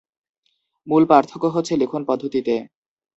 মূল পার্থক্য হচ্ছে লিখনপদ্ধতিতে।